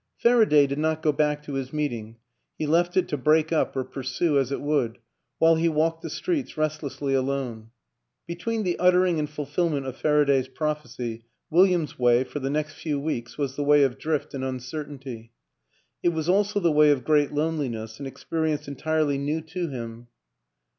Faraday did not go back to his meeting; he left it to break up or pursue as it would, while he walked the streets restlessly alone. Between the uttering and fulfillment of Fara day's prophecy William's way, for the next few weeks, was the way of drift and uncertainty; it was also the way of great loneliness, and experi ence entirely new to him.